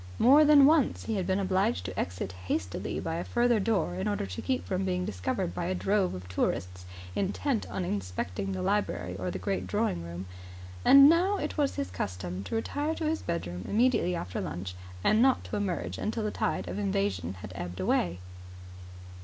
More than once he had been obliged to exit hastily by a further door in order to keep from being discovered by a drove of tourists intent on inspecting the library or the great drawing room; and now it was his custom to retire to his bedroom immediately after lunch and not to emerge until the tide of invasion had ebbed away.